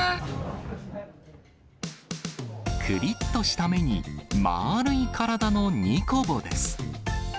くりっとした目に、まーるい体のニコボです。